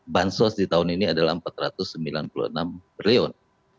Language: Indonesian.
bansos di tahun ini adalah rp empat ratus sembilan puluh enam triliun